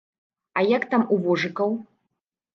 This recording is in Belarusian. А як там у вожыкаў?